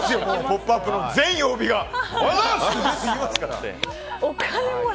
「ポップＵＰ！」の全曜日で。